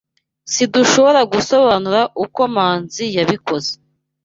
Sidushobora gusobanura uko Manzi yabikoze.